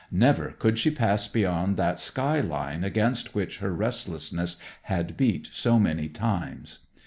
Never could she pass beyond that sky line against which her restlessness had beat so many times.